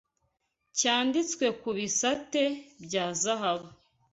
cyanditswe ku bisate bya zahabu